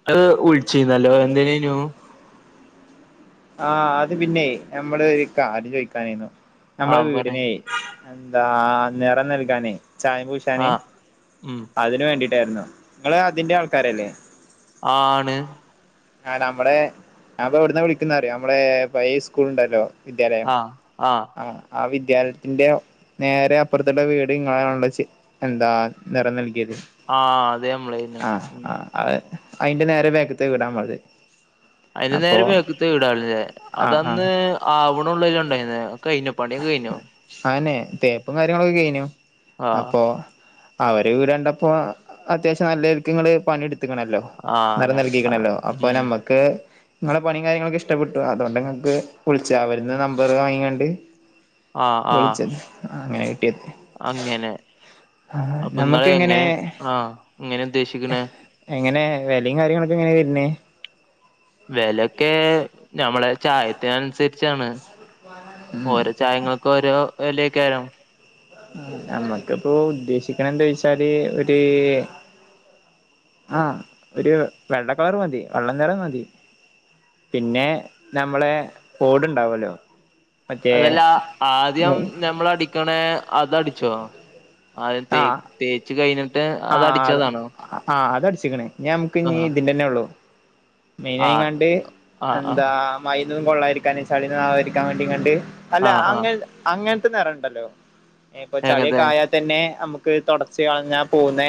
[unintelligible] അത് വിളിച്ചേന് എന്തിന ആഹ് അത് പിന്നെ നമ്മള് ഒരു കാര്യം ചോയിക്കാനായിരുന്നു നമ്മടെ ആഹ് പറയ് വീടിനെ എന്താ നിറം നൽകാനേ ചായ പൂശ ട്ടാന് ആഹ് ഉം അതിന് വേണ്ടിട്ടായിരുന്നു ഇങ്ങള് അതിന്റെ ആൾക്കാരല്ലേ? ആണ് ആഹ് നമ്മുടെ ഞാപ്പൊ എവിടുന്ന വിളിക്കുന്നറിയോ? നമ്മടെ പഴയ സ്കൂൾണ്ടല്ലോ വിദ്യാലയം ആഹ് ആഹ് ആ ആഹ് വിദ്യാലയത്തിന്റെയോ നേരെ അപ്പുറത്തുള്ള വീട് ഇങ്ങനെള്ള എന്താ നിറം നൽകിയത് ആഹ് അത് നമ്മളേയ്നു അ ആഹ് അതിന്റെ നേരെ ബേക്ക്ത്തെ വീടാ നമ്മള്ത് അതിന് നേരെ ബേക്കിലത്തെ വീടല്ലേ ആ ആ അതന്ന് ആവാണുള്ളെ ഉണ്ടായിന കയിഞ്ഞോ പണി ഒകെ കയിഞ്ഞോ ആന്നെ തേപ്പും കാര്യങ്ങളൊക്കെ കഴിഞ്ഞു ആഹ് അപ്പൊ അവര് രണ്ടപ്പോ അത്യാവശ്യം നല്ലര്ക്ക് ങ്ങള് പണിയെട് ണല്ലോ ആഹ് നെറം നമ്മളെ നൽകിക്ക്ണല്ലോ ഉം അപ്പോനമ്മ ക്ക് ങ്ങളെ പണിയും കാര്യങ്ങളൊക്കെ ഇഷ്ടപ്പെട്ടു അതോണ്ട് ങ്ങക്ക് വിളിച്ച അവര്ന്ന് നമ്പർ വാങ്ങിങ്ങാണ്ട് ആഹ് ആഹ് വിളിച്ചത് ആഹ് അങ്ങനെ കിട്ടിയത് അങ്ങനെ അപ്പൊ ഇങ്ങള് നമ്മക്ക് ഇങ്ങനെ എങ്ങനെ ആഹ് എങ്ങനെ ഉദ്ദേശിക്കണെ എങ്ങനെ വിലയും കാര്യങ്ങളൊക്കെ എങ്ങനെ വർന്നേ? വിലൊക്കെ ഞമ്മളെ ചായത്തിന് അനുസരിച്ചാണ് [inaudible] മ ചായങ്ങൾക്ക് ഓരോ വേലയൊക്കാരം നമ്മക്കിപ്പോ ഉദ്ദേശിക്കണ എന്താ ചോച്ചാല് ഒരു ആഹ് ഒരു വെള്ളക്കളറ് മതി വെള്ളനിറം മതി പിന്നെ നമ്മളെ ഓടുണ്ടാവല്ലോ മറ്റേ അതല്ല ആദ്യം ഞമ്മള് അടിക്കണേ അതടിച്ചോ ആഹ് ആ തേ തേച്ച് കഴിഞ്ഞിട്ട് ആ അതടിച്ചതാണോ ഞാ നമ്ക്ക് ഞ്ഞ് ഇതിന്റെന്നെ ള്ളു [inaudible] മെയിൻ ആഹ് നായിങ്ങാണ്ട് ആഹ് എന്താ ആഹ് മഴയൊന്നും കൊള്ളായിരിക്കാന് ചളി ഒന്നും ആവാതിരിക്കാണ്ട് അല്ല ആഹ് ആഹ് അങ്ങൻ അങ്ങനത്തെ നെറൊ ണ്ടല്ലോ ഇപ്പൊ എങ്ങത്തെ ചളിയൊക്കെ ആയാ തന്നെ നമുക്ക് തുടച്ച് കളഞ്ഞാ പോകുന്നേ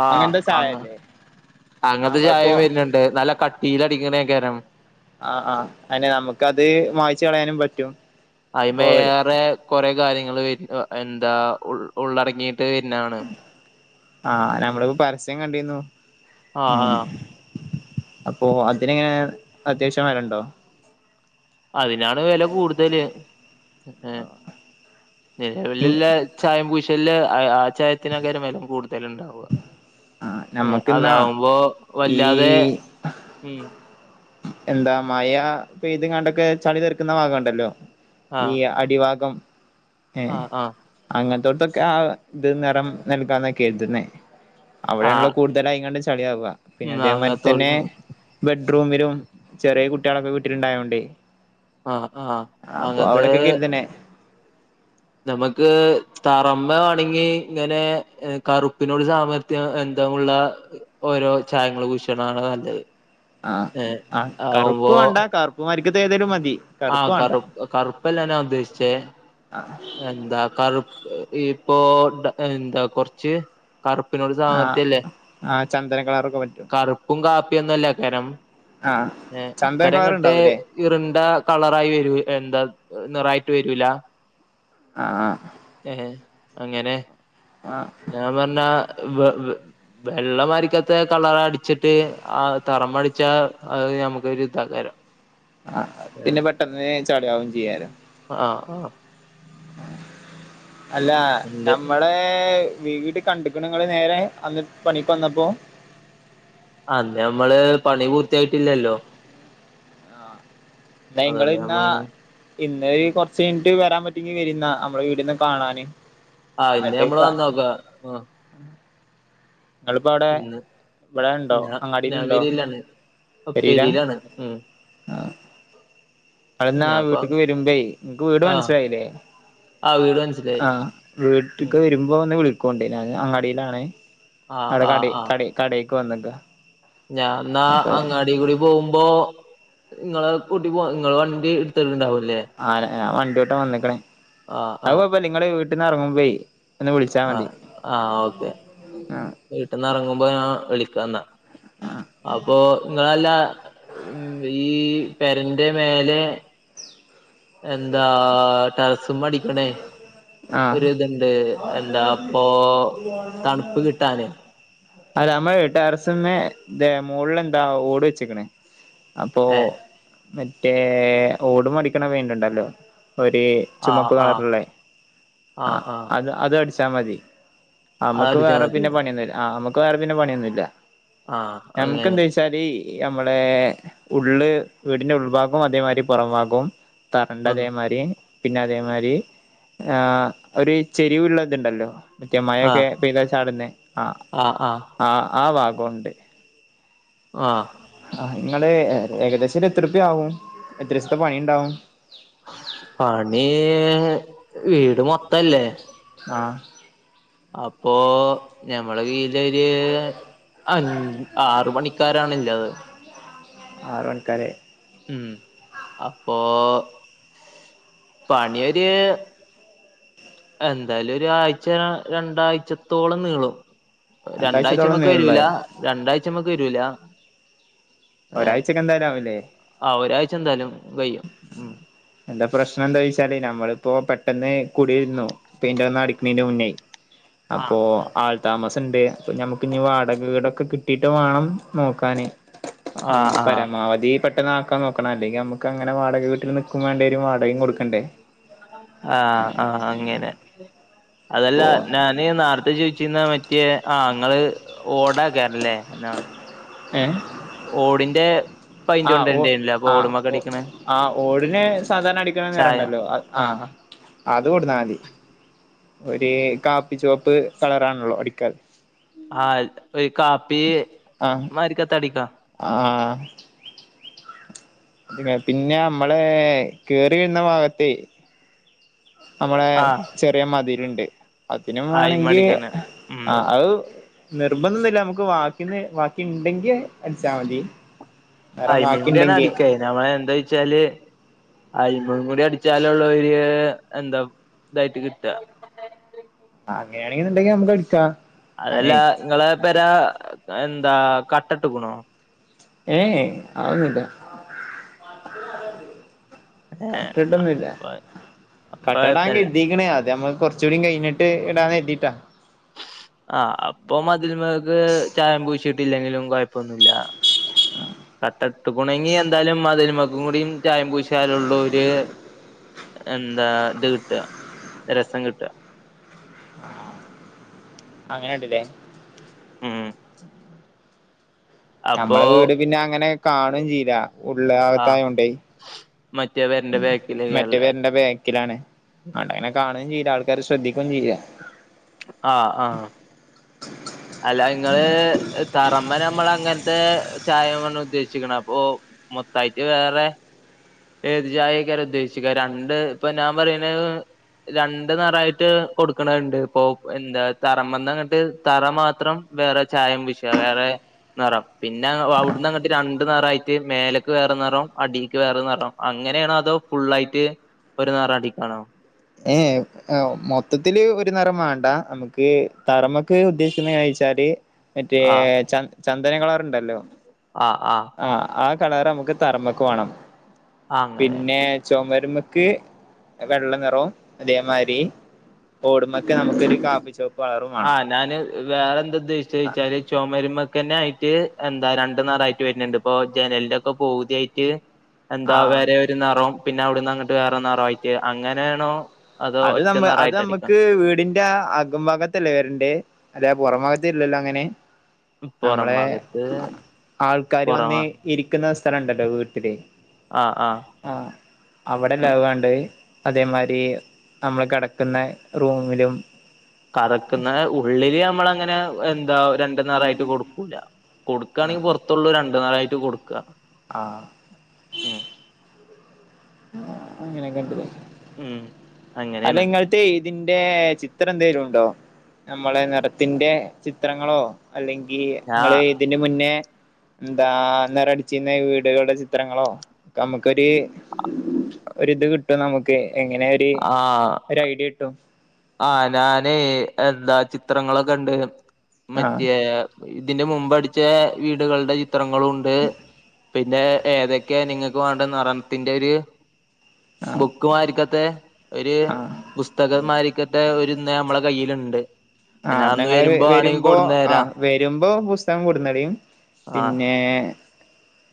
ആഹ് അങ്ങനത്തെ ആണ് ചായല്ലേ അങ്ങനത്തെ നമ്മളിപ്പോ ചായം വര്ന്നുണ്ട് നല്ല കട്ടില് അടിക്കണകരം ആഹ് ആഹ് അതന്നെ നമുക്കത് മായിച്ചു കളയാനും പറ്റും അപ്പൊ അതിമേ ഏറെ കൊറെ കാര്യങ്ങൾ എന്താ ഉള് ഉള്ളറങ്ങി ആഹ് നമ്മള് പരസ്യം കണ്ടിര്ന്നു ആഹ് ഉം ആഹ് അപ്പോ അതിനെങ്ങനെ അത്യാവശ്യം വേലണ്ടോ അതിനാണ് വേല കൂടുതല് ഏ നിലവിലില്ല ചായം പൂശല് അഹ് ആഹ് ചായത്തിനാക്കരം വെലം കൂടുതൽ ഉണ്ടാവ ആ നമ്മക്കിന്നാ അതാവുമ്പോ ഈ വല്ലാതെ ഉം എന്താ മയാ പെയ്തെങ്ങാണ്ടൊക്കെ ചളി തെറിക്കുന്ന ഭാഗവുണ്ടല്ലോ ഈ ആഹ് അടിഭാഗം ഏഹ് ആഹ് ആഹ് അങ്ങനത്തോടുത്തൊക്കെ ആഹ് ഇത് നെറം നൽകാന്ന കർത് ന്നേ അവിടെയാണല്ലോ ആഹ് കൂടുതലായിങ്ങാണ്ട് ചളിയാവ പിന്നെ ഉം അതേമാതിരി തന്നെ അങ്ങത്തോട് ബെഡ്റൂമിലും ചെറിയ കുട്ടികളൊക്കെ വിട്ടിലുണ്ടായോണ്ടെ ആഹ് ആഹ് അപ്പൊ അങ്ങത്തെ അവിടൊക്കെക്കെ ഇതന്നെ നമുക്ക് തറമെ തൊടങ്ങി ഇങ്ങനെ കറുപ്പിനോട് സാമയം ബന്ധമുള്ള ഓരോ ചായങ്ങള് പൂശാണാണ് നല്ലത് ആഹ് ഏഹ് ആ കറുപ്പ് ആവുമ്പോ വേണ്ട കറുപ്പ് മാരിക്കത്തെ ഏതേലും മതി ആഹ് കറുപ്പ് കറുപ്പല്ലാംനാ ഉദ്ദേശിച്ചേ ആ എന്താ കറുപ് ഇപ്പോ എന്താ കൊറച്ച് കറുപ്പിനോട്‌ ആഹ് സാമിത്യല്ലേ ആഹ് ചന്ദന കളറൊക്കെ പറ്റും കറുപ്പും കാപ്പിയോന്നല്ല കെരം ആഹ് ഏഹ് ചന്ദന കളർ അത്രെങ്ങട്ട് ഉണ്ടാവൂലേ ഇറ്ണ്ടാ കളറായി വരൂ എന്താ നിറായിട്ട് വരുല്ല ആഹ് ഏഹ് അങ്ങനെ ആഹ് ഞാന് പറഞ് [inaudible] വെള്ളം അരിക്കത്ത കളർ അടിച്ചിട്ട് ആഹ് തറമടിച്ച അത് നമുക്കൊരുതകരം ആഹ് പിന്നെ പെട്ടെന്ന് ചളി ആവുവേം ചെയ്യാല ആഹ് ആഹ് അല്ല ഉണ്ട് ഞമ്മള് വീട് കണ്ട്ക്ക്ണ ങ്ങള് നേരെ അന്ന് പണിക്ക് വന്നപ്പോ? അത നമ്മള് പണി പൂർത്തിയായിട്ടില്ലല്ലോ നൈങ്ങള് അതുകൊണ്ട് ഇന്നാ നമ്മള് ഇന്ന് കൊറച്ച് കഴിഞ്ഞിട്ട് വരാൻ പറ്റങ്കി വരിന്നാ അമ്മളെ വീടിന്ന് കാണാന് ആഹ് ഇന്ന് എന്നിട്ട് നമ്മള് കാ വന്നോക്ക ആഹ് നിങ്ങളിപ്പോ അവിടെ ഇന്ന് ഇവിടെ ഉണ്ടോ ഞ അങ്ങാടിയിലുണ്ടോ ഞാവേരെലാണ് പെരേലാ അപ്പെരിയിലാണ് മ് അതല്ല ഞാൻപ്പ വീട്ടേക്ക് വരുമ്പേ നിനക്ക് വീട് ആഹ് മനസ്സിലായില്ലേ ആഹ് വീട് മനസ്സിലായി ആഹ് ഉം വീട്ട്ക്ക് വരു ഇപ്പ വന്ന് വിളികൊണ്ട് ഞാന് അങ്ങാടിയിലാണ് ആഹ് നടെ ആഹ് കടെ ആഹ് കടെ കടേക്ക് വന്നെക്ക ഞാൻ ന്നാ അങ്ങാടി കൂടി പോകുമ്പോ നിങ്ങളെ കൂട്ടി പോ നിങ്ങള് വണ്ടി എടുത്തിട്ടണ്ടാവോ ആര ഞാ വണ്ടി ഓട്ടാ വന്ന്ക്ക്ണ് ആഹ് അഹ് ആഹ് കൊയപ്പലെ നിങ്ങള് വീട്ടിൽന്ന് ഇറങ്ങുമ്പേ എന്നെ വിളിച്ചാ മതി ആഹ് ആഹ് ഓക്കെ ആഹ് വീട്ടന്ന് ഇറങ്ങുമ്പോ ഞാൻ വിളിക്കാന്നാ അപ്പൊ നിങ്ങളല്ല ഈ പെരന്റെ മേലെ എന്താ ടെറസുമെടിക്കണേ ആഹ് ഒര് ഇത്ണ്ട് എന്താ ഇപ്പൊ തണുപ്പ് കിട്ടാന് അത് നമ്മൾ ടെറസ്സുമേ ദേ മോളിൽ എന്താ ഓട് വെച്ചേക്കണ് അപ്പൊ ഏഹ് മറ്റേ ഓട് മെ അടിക്കണ പെയിന്റുണ്ടല്ലോ ഒരു ആഹ് ചുമപ്പ് ആഹ് കളറുള്ളെ ആ ആഹ് ആഹ് അത് അത് അടിച്ചാ മതി അത് ഞമ്മക്ക് അടിച്ചാ വേറെ മതി പിന്നെ പണിയൊന്നുല്ല ആ നമ്മ ഇപ്പ ആർക് പിന്നെ പണിയൊന്നുമില്ല ആഹ് നമുക്ക് അങ്ങനെ എന്താ വെച്ചാല് ഈ അമ്മളെ ഉള്ള് വീടിന്റെ ഉൾഭാഗും അതേമാതിരി പുറംഭാഗും ആഹ് തറണ്ടതെമാരി പിന്നെ അതേമാരി ആഹ് ഒരു ചെരിവ് ഉള്ളതുണ്ടല്ലോ മറ്റേ മഴൊക്കെ ആഹ് പെയ്താ ചാടുന്ന ആഹ് ആഹ് ആഹ് ഭാഗോണ്ട് ആഹ് ആഹ് ഇങ്ങള് ഏകദേശം ഇതെത്ര റുപ്യ ആവും എത്ര സത്തെ പണി ഇണ്ടാവും പണി വീട് മൊത്തല്ലേ ആഹ അപ്പോ ഞമ്മളെ കീഴിലൊര് അൻ ആറ് പണിക്കാരാണിള്ളത് ആറ് മണിക്കാലെ ഉം അപ്പോ പണിയൊര് എന്തായാലും ഒരാഴ്ച്ച രണ്ടാഴ്ച്ച ത്തോളം നീളും രണ്ടാഴ്ചത്തോളം രണ്ടാഴച്ചമ്മക്ക് വരൂല നീളുല്ലേ രണ്ടാഴ്ച്ച മ്മക്ക് വരൂല ഏ ഒരാഴ്ചക്കെ എന്തായാലും ആവുല്ലേ ആ ഒരാഴ്ച്ച എന്തായാലും വയും ഉം എന്താ പ്രശ്നം എന്താ ചോയ്ച്ചാല് നമ്മളിപ്പോ പെട്ടെന്ന് കുടിയിരുന്നു പെയ്ന്റെറന്ന് അടുക്കുന്നതിന്റെ മുന്നേ ആഹ് അപ്പൊ ആൾ താമസണ്ട് അപ്പൊ ഞമ്മക്ക് ഇനി വാടക വീടൊക്കെ കിട്ടിട്ട് വാണം നോക്കാന് ആഹ് ആഹ് പരമാവധി പെട്ടന്ന്ആക്കാൻ നോക്കണം അല്ലെങ്കിൽ നമുക്ക് അങ്ങനെ വാടക വീട്ടിൽ നിക്കും വേണ്ടരും വാടക ആഹ് ആഹ് അങ്ങനെ അതല്ല ഇപ്പോ ഞാന് നേർത്തെ ചോദിച്ചിരുന്ന മറ്റേ ആഹ് ഇങ്ങള് ഓടക്കാറില്ലേ ഏ ഓടിന്റെ പൈന്റ് ആഹ് ഒ കൊണ്ടരണ്ടേനില്ലേ അപ്പൊ ആഹ് ഓടുമ്മക്കടിക്കണേ ഒആഹ് ഓടിന് സാധാരണ അടിക്കണ ചായ നിറുണ്ടല്ലോ ആഹ് അത് കൊട്ന്നമതി ഒരു കാപ്പി ചുവപ്പ് കളറാണല്ലോ അടിക്കാൻ ആഹ് ഒരു കാപ്പി ആ മാരിക്കാത്തടിക്ക ആ പിന്നെ നമ്മള് കേറി വരുന്ന ഭാഗത്തേ നമ്മടെ ആഹ് ചെറിയ മതിര്ണ്ട് അതിനും അയിമ വേണെങ്കിൽ അടിക്കാന് ഉം ആ അത് നിർബന്ധമൊന്നുമില്ല നമുക്ക് വാക്കി ഇണ്ടങ്കിൽ അടിച്ചാൽ മതി വേറെ അയ്മീ കുടി ബാക്കിണ്ടെങ്കി അടിക്കായിന്നുനമ്മള് എന്താ വെച്ചാല് ആ ഇവെടെം കൂടി അടിച്ചാലുള്ള ഒരു എന്താ ഇതായിട്ട് കിട്ട്ക. ആ അങ്ങനെയാണെണ്ടെങ്കി നമ്മക്ക് ഇട്ക്കാ അതല്ല നിങ്ങളെ പെര എന്താ കട്ട ഇട്ട് ക്ക്ണോ ഏഹ് ആന്നുല്ല ഏഹ് കട്ടിട്ടൊന്നുമില്ല അപ്പ കട്ടടാൻ അപ്പഴത്തല്ല കെര്തീക്ക്‌ണ് അത് നമ്മ കൊറ കൊറച്ച് കൂടി കയിഞ്ഞിട്ട് ഇടാന്ന് കരുതീട്ടാ ആഹ് അപ്പം മതിൽമേക്ക് ചായം പൂശിട്ടില്ലെങ്കിലും കൊഴപ്പൊന്നുമില്ല. കട്ടത്തു ഉണെങ്ങി എന്തായാലുമതിലുമക്കും ചായം പൂശിയാലുള്ളൊര്. എന്താ ഇത് കിട്ട രസം കിട്ട അങ്ങനെണ്ട് ല്ലേ ഉം അപ്പൊ നമ്മളെവീട് പിന്നെ അങ്ങനെ കാണു ചെയില്ല ഉള്ളേ ആഹ് അകത്തായോണ്ടേ. മറ്റേ പേരന്റെ മറ്റു ബേക്കിലേക്കല്ലേ പേരുന്റെ ബാ ക്കിലാണ് അവടെ അങ്ങനെ കാണേം ചെയ്ല്ല ആൾക്കാര് ശ്രദ്ധിക്കും ചെയ്യില്ല ആഹ് ആഹ് അല്ല നിങ്ങള് തറമെനമ്മൾ അങ്ങനത്തെ ചായമ്ആണ് ഉദ്ദേശിക്കണ അപ്പൊ മൊതയിട്ട് വേറെ ഏത് ചായെക്കാരെയുദ്ദേശിക്ക. രണ്ട് ഇപ്പ ഞാൻ പറയുന്നത്. രണ്ട് നറയിട്ട് കൊടുക്കണണ്ട് ഇപ്പൊ എന്താ തറമ്മന്ന് അങ്ങട്ട് തറ മാത്രം വേറെ ചായം പൂശിയോ വേറെ? നെറം പിന്നെ അവിടന്ന് അങ്ങട്ട് രണ്ട് നെറയിട്ട് മേലേക്ക് വേറെ നെറം അടിക്ക് വേറെ നെറം അങ്ങനെയാണോ അതോ ഫുള്ളായിട്ട് ഒരു നാറാടി കാണോ ഏഹ് ആ മൊത്തത്തില് ഒരു നിറം വേണ്ട നമുക്ക് തറമൊക്കെ ഉദ്ദേശിക്കുന്നവെച്ചാല് മറ്റേ ആഹ് ച ചന്ദന കളറുണ്ടല്ലോ ആഹ് ആഹ് ആഹ് ആ കളർ നമുക്ക് തറമക്ക് വേണം അങ്ങനെ പിന്നെ ചോമരുമ്മക്ക് ക്ക് വെള്ള നിറോം അതേമാരി ഓടുമ്പൊക്കെ നമ്മുക്കൊരു കാപ്പിച്ചൊവപ്പ് കളർ വേണം ആഹ് ഞാന് വേറെന്താദേശിച്ച് ച്ചാല് ചൊമരുമക്കന്നെ ആയിട്ട് എന്താ രണ്ടു നറായിട്ട് വരുന്നുണ്ട്. ഇപ്പൊ ജനലിന്റെ ഒക്കെ പൗതിയായിട്ട് ആ എന്താ വേറെ ഒരു നറോം പിന്നെ അവ്ടുന്നങ്ങട്ട് വേറെ നറോയിട്ട് അങ്ങനെയാണോ അതോ അത് ഒറ്റ നമ്മ അത് നിറായിട്ട് അടിക്കാം നമ്മുക്ക് വീടിൻ ല്ലാ അകം ബാഗത്തല്ലേ വരേണ്ടേ? അതെ പൊറം ബാഗത്തില്ലല്ലോയങ്ങനെ. നമ്മള പുറം ഭാഗത്ത് ആൾക്കാര് പുറമ വന്ന് ഇരിക്കുന്ന സ്ഥലണ്ടല്ലോ വീട്ടില് ആഹ് ആഹ് ആഹ് അവിടല്ല അത് വേണ്ടത് അതേമാരി നമ്മള് കടക്കുന്ന റൂമിലും തറക്കന്ന ഉള്ളില് നമ്മള് അങ്ങനെ എന്താ രണ്ടു നിറമായിട്ട് കൊടുക്കൂല കൊടുക്കാണെങ്കിൽ പുറത്തുള്ളൂ രണ്ടു നരായിട്ട് കൊടുക്ക ആഹ് ഉമ് ഉമ് ഇങ്ങനെ കണ്ട് ഉം അങ്ങനെയാണ് അല്ലെങ്ങൾ മറ്റേ ഇതിന്റെ ചിത്രന്തെലും ഉണ്ടോ നമ്മളെ നിറത്തിന്റെ ചിത്രങ്ങളോ അല്ലെങ്കീ ഞാ ങ്ങളേ ഇതിന് മുന്നേ എന്താ അന്നേരം അടിച്ചിരുന്ന വീടുകളുടെ ചിത്രങ്ങളോ നമുക്കൊരു ഒരിത് കിട്ടും നമുക്ക് എങ്ങനെ ഒര് ആഹ് ഒരയിഡിയ കിട്ടും ആഹ് ഞാനേ എന്താ ചിത്രങ്ങളൊക്കെ ഉണ്ട് ആഹ് മറ്റേ ഇതിന്റെ മുമ്പ് അടിച്ച വീടുകളുടെ ചിത്രങ്ങളുണ്ട് പിന്നെ ഏതൊക്കെയ നിങ്ങൾക്ക് വേണ്ട നിറത്തിന്റെ ഒരു ആഹ് ബുക്ക് മാരിക്കത്തെ ഒരു ആഹ് പുസ്തകം മാരിക്കത്തെ ഒരു ന്ന നമ്മളെ കയ്യിലുണ്ട് ആ ഞാൻ അന്ന് ഞങ്ങള് ആണെങ്കി വരുമ്പോ കൊടുന്ന് തരാം ആഹ് വരുമ്പോ പുസ്തകം കൊടുന്നളീ ആഹ് പിന്നെ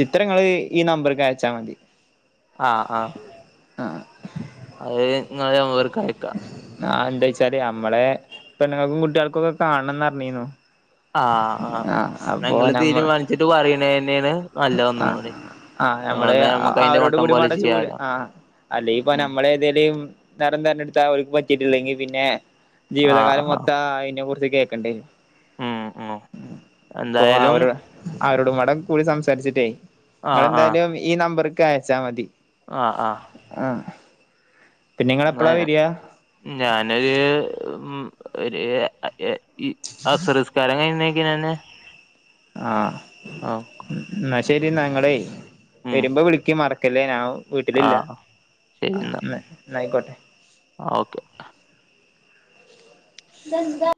ചിത്രങ്ങള് ഈ നമ്പർക്ക് അയച്ചാ മതി. ആഹ് ആഹ് ആഹ് അഹ് [unintelligible] വർക്കയക്കാം ആഹ് എന്താ വെച്ചാല് നമ്മളെ പെണ്ണുങ്ങൾക്കും കുട്ടികൾക്കും ഒക്കെ കാണണം എന്ന് പറഞ്ഞീന്നു ആഹ് ആഹ് ഇന്ന ഇങ്ങള് നമ്മൾ തീരുമാനിച്ചിട്ട് പറിയണ തന്നെയാണ് നല്ലത് ഒന്നും ആഹ് കൂടി ആഹ് നമ്മള് ഞമ്മക്ക് അതിന്റെ അവരോട് മട്ടം കൂടി പോലെ മടച്ചൂട് ചെയ്യാലോ ആ അല്ലെങ്കി ഇപ്പ ഉം നമ്മള് എലും നടന്നഞ്ഞെടുത്ത അവക്കും പറ്റിട്ടില്ലെങ്കിൽ പിന്നെ ആഹ് ജീവിതകാലം ആഹ് മൊത്തം അതിനെ കുറിച്ച് കേക്കണ്ടേ ഉം ഉം പ്പൊ എന്തായാലും അവരു അവരോടും പാടെ കൂടി സംസാരിച്ചിട്ടേയ് ആഹ് ആഹ് നിങ്ങെളെന്താലും ഈ നമ്പറിക്ക് അയച്ചാ മതി. ആഹ് ആഹ് ആഹ് പിന്നെ നിങ്ങള് എപ്പളാ വരിക ഞാനൊരു ഒരു എ ഇ അസറ്സ്ക്കാരം കയ്ഞ്ഞേക്ക്നെന്നേ ആഹ് ആഹ് ന്നാ ശരിന്നാ ഞങ്ങളേ ഉം വരുമ്പോ വിളിക്കിം മറക്കല്ലേ ഞാൻ വീട്ടിലില്ല ആഹ് ആഹ് ഇന്ന ഇന്നായിക്കോട്ടെ ആഹ്ഓക്കെ തെന്താ